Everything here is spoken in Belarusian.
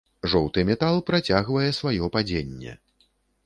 Жоўты метал працягвае сваё падзенне.